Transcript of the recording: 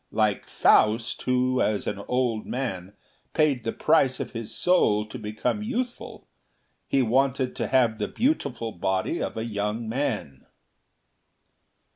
Like Faust, who, as an old man, paid the price of his soul to become youthful, he wanted to have the beautiful body of a young man."